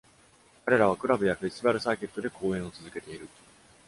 彼らはクラブやフェスティバルサーキットで公演を続けている。